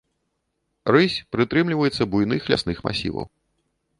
Рысь прытрымліваецца буйных лясных масіваў.